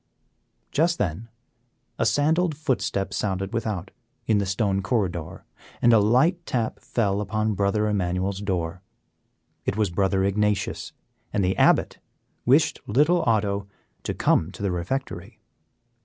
Just then a sandaled footstep sounded without, in the stone corridor, and a light tap fell upon Brother Emmanuel's door. It was Brother Ignatius, and the Abbot wished little Otto to come to the refectory.